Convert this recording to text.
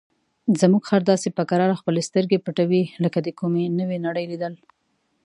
زموږ خر داسې په کراره خپلې سترګې پټوي لکه د کومې نوې نړۍ لیدل.